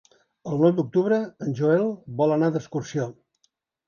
El nou d'octubre en Joel vol anar d'excursió.